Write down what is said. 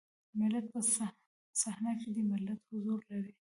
ملت په صحنه کې دی ملت حضور لري.